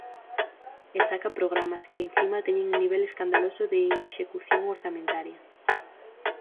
E saca programas que, encima, teñen un nivel escandaloso de inexecución orzamentaria.